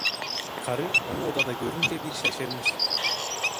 Karı onu orada görünce bir şaşırmış.